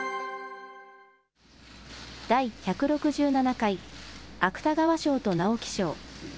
第１６７回芥川賞と直木賞。